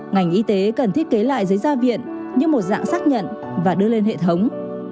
ngành y tế cần thiết kế lại giấy gia viện như một dạng xác nhận và đưa lên hệ thống